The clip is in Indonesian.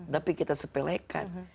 tapi kita sepelekan